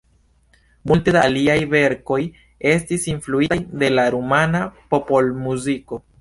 Multe da liaj verkoj estis influitaj de la rumana popolmuziko.